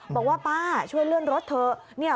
บอกว่าป้าช่วยเลื่อนรถเถอะ